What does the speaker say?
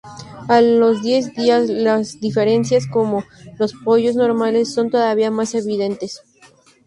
A los diez días las diferencias con los pollos normales son todavía más evidentes.